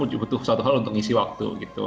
jadi justru aku butuh satu hal untuk ngisi waktu gitu